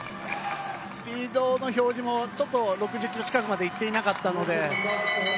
スピードの表示も６０キロ近くまでいっていなかったので。